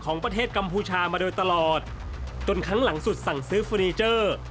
ของประเทศกัมพูชามาโดยตลอดจนครั้งหลังสุดสั่งซื้อเฟอร์นิเจอร์